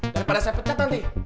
daripada saya pecat nanti